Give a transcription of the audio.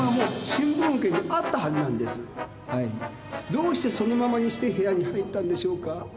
どうしてそのままにして部屋に入ったんでしょうか。